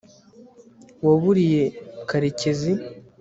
waburiye karekezi